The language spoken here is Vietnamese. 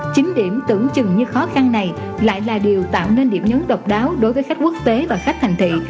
chính điểm tưởng chừng như khó khăn này lại là điều tạo nên điểm nhấn độc đáo đối với khách quốc tế và khách thành thị